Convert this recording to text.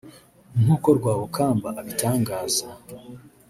nk’uko Rwabukamba abitangaza